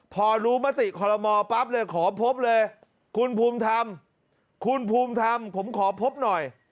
พอรู้มติคอลโมปั๊บเลยขอพบเลยคุณภูมิทำคุณภูมิทำผมขอพบหน่อย